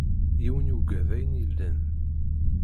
Yiwen yugad ayen yellan.